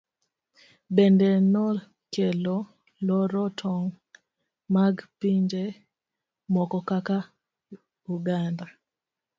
Bende nokelo loro tong' mag pinje moko kaka Uganda.